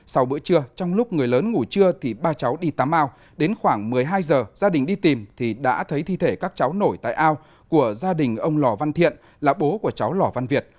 sau bữa trưa trong lúc người lớn ngủ trưa thì ba cháu đi tắm ao đến khoảng một mươi hai giờ gia đình đi tìm thì đã thấy thi thể các cháu nổi tại ao của gia đình ông lò văn thiện là bố của cháu lò văn việt